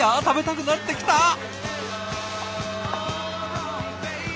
食べたくなってきた。